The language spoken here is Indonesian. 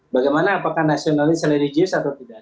bagaimana apakah nasionalis religius atau tidak